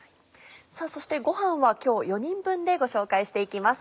さぁそしてごはんは今日４人分でご紹介していきます。